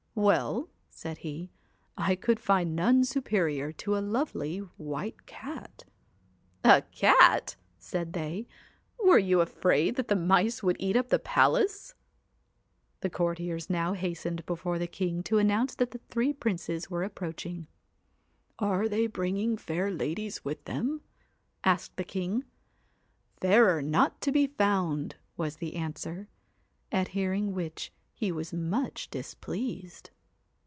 * Well,' said he, ' I could find none superior to a lovely white cat* ' A cat !' said they ;' were you afraid that the mice would eat up the palace ?' The courtiers now hastened before the king to announce that the three princes were approaching . 4 Are they bringing fair ladies with them ?' asked the king. ' Fairer are not to be found,' was the answer ; at hearing which he was much displeased.